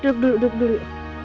duduk dulu duduk dulu